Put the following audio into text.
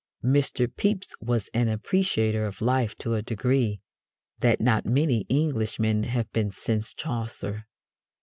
Mr. Pepys was an appreciator of life to a degree that not many Englishmen have been since Chaucer.